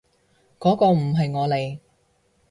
嗰個唔係我嚟